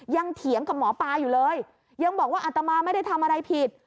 เถียงกับหมอปลาอยู่เลยยังบอกว่าอัตมาไม่ได้ทำอะไรผิด